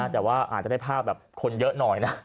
แต่ว่าอาจจะได้ภาพแบบคนเยอะหน่อยนะ